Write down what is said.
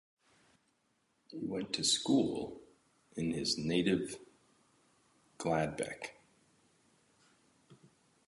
He went to school in his native Gladbeck.